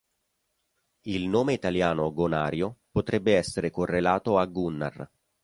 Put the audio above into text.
Il nome italiano Gonario potrebbe essere correlato a Gunnar.